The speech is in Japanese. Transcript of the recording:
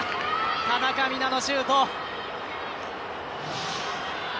田中美南のシュート。